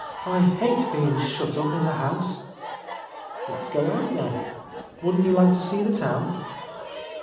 I hate bein' shut up in the house !" "Let's go out, then. Wouldn't you like to see the town?"